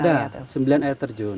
sudah sembilan air terjun